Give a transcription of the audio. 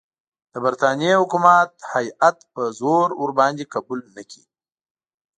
د برټانیې حکومت هیات په زور ورباندې قبول نه کړي.